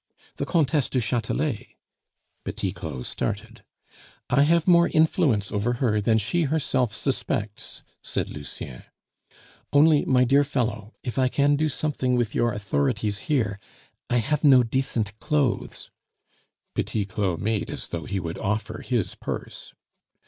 "The Comtesse du Chatelet!" Petit Claud started. "I have more influence over her than she herself suspects," said Lucien; "only, my dear fellow, if I can do something with your authorities here, I have no decent clothes." Petit Claud made as though he would offer his purse.